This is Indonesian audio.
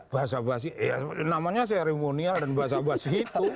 bahasa bahasanya namanya seremonial dan bahasa bahasanya itu